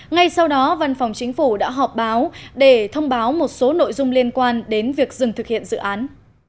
ngay sau đó văn phòng chính phủ đã họp báo để thông báo một số nội dung liên quan đến việc dừng thực hiện dự án